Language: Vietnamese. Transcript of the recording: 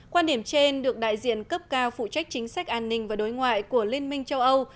quan điểm trên được đại diện cấp cao phụ trách chính sách an ninh và đối ngoại của liên minh châu âu